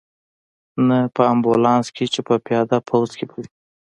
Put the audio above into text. نه په امبولانس کې، چې په پیاده پوځ کې به وې.